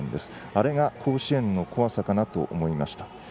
あれが甲子園の怖さかなと思いました。